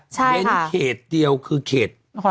เป็นเขตเดียวคือเขต